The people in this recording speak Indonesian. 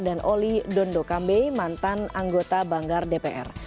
dan oli dondokambe mantan anggota banggar dpr